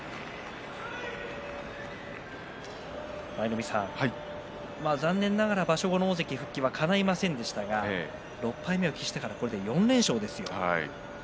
舞の海さん、残念ながら場所後の大関復帰はかないませんでしたけども６敗目を喫してから４連勝ですね。